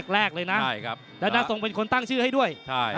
แรกเลยนะด้านหน้าทรงเป็นคนตั้งชื่อให้ด้วย